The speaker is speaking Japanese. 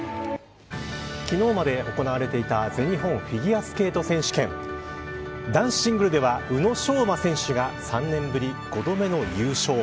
昨日まで行われていた全日本フィギュアスケート選手権男子シングルでは宇野昌磨選手が３年ぶり５度目の優勝。